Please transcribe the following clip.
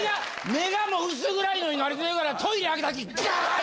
目がもう薄暗いのに慣れてるからトイレ開けた時ガーッ！